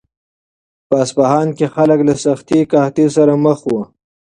په اصفهان کې خلک له سختې قحطۍ سره مخ وو.